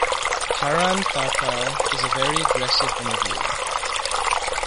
Karan Thapar is a very aggressive interviewer.